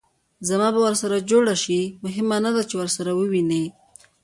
زما به ورسره جوړه شي؟ مهمه نه ده چې ورسره ووینې.